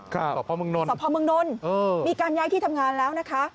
สพเมืองนนทสพเมืองนนท์มีการย้ายที่ทำงานแล้วนะคะ